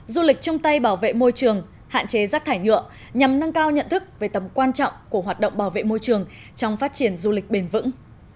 du lịch chung tay bảo vệ môi trường hạn chế rác thải nhựa nhằm nâng cao nhận thức về tầm quan trọng của hoạt động bảo vệ môi trường trong phát triển du lịch bền vững